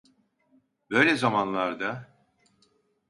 Böyle zamanlarda...